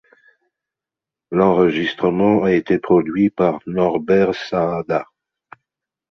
L'enregistrement a été produit par Norbert Saada.